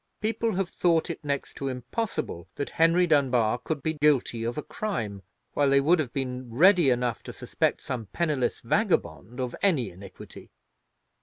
People have thought it next to impossible that Henry Dunbar could be guilty of a crime, while they would have been ready enough to suspect some penniless vagabond of any iniquity."